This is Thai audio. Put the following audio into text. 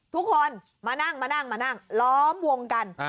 ทุกคนมานั่งร้อมวงกัน